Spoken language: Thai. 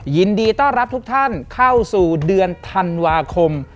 ยินดีต้อนรับทุกท่านเข้าสู่เดือนธันวาคม